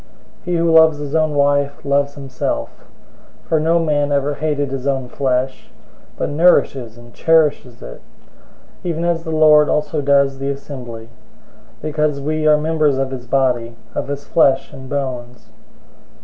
He who loves his own wife loves himself. 005:029 For no man ever hated his own flesh; but nourishes and cherishes it, even as the Lord also does the assembly; 005:030 because we are members of his body, of his flesh and bones.